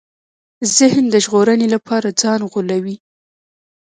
ذهن د ژغورنې لپاره ځان غولوي.